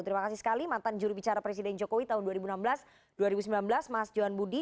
terima kasih sekali mantan jurubicara presiden jokowi tahun dua ribu enam belas dua ribu sembilan belas mas johan budi